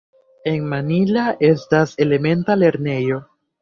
En Mannila estas elementa lernejo.